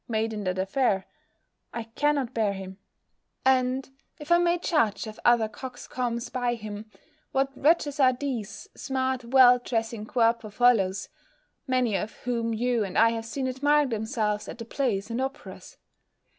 made in that affair, I cannot bear him; and, if I may judge of other coxcombs by him, what wretches are these smart, well dressing querpo fellows, many of whom you and I have seen admiring themselves at the plays and operas!